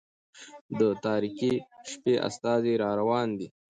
د تاريكي شپې استازى را روان دى